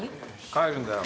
帰るんだよ。